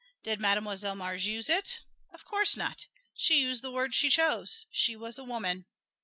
Did Mademoiselle Mars use it? Of course not; she used the word she chose she was a woman.